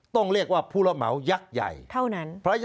ต้องเรียกว่าผู้รับเหมายักษ์ใหญ่เท่านั้น